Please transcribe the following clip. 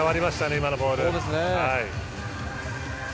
今のボール。